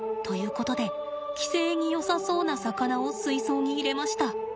ことで寄生によさそうな魚を水槽に入れました。